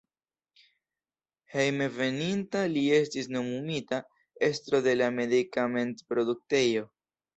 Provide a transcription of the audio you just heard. Hejmenveninta li estis nomumita estro de la medikamentproduktejo.